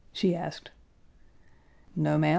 she asked. "No, ma'am.